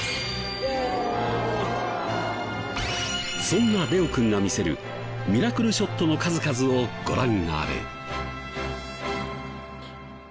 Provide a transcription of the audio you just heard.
そんなレオくんが見せるミラクルショットの数々をご覧あれ。